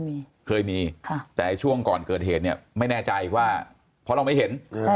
เคยมีแต่ช่วงก่อนเกิดเหตุเนี่ยไม่แน่ใจว่าเพราะเราไม่เห็น